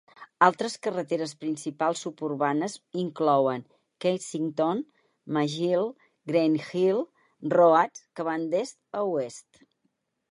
Altres carreteres principals suburbanes inclouen Kensington, Magill i Greenhill Roads, que van d'est a oest.